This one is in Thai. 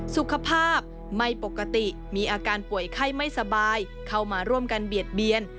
สุขภาพไม่ปกติมีอาการป่วยไข้ไม่สบายเข้ามาร่วมกันเบียดเบียน